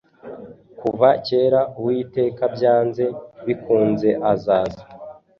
Kuva kera Uwitekabyanze bikunzeazaza